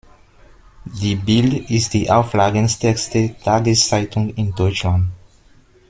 Die "Bild" ist die auflagenstärkste Tageszeitung in Deutschland.